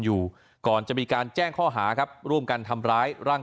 อยู่ก่อนจะมีการแจ้งข้อหาครับร่วมกันทำร้ายร่าง